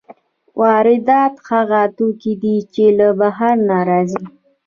واردات هغه توکي دي چې له بهر نه راځي.